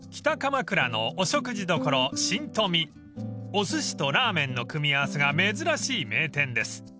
［おすしとラーメンの組み合わせが珍しい名店です］